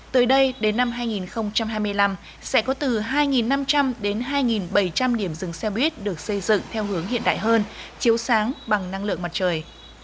tới đây đến năm hai nghìn hai mươi năm sẽ có từ hai năm trăm linh đến hai bảy trăm linh điểm dừng xe buýt được xây dựng theo hướng hiện đại hơn chiếu sáng bằng năng lượng mặt trời